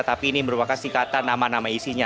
tapi ini merupakan singkatan nama nama isinya